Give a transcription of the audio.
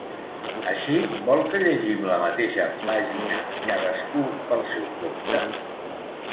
Així, vol que llegim la mateixa pàgina cadascú pel seu compte?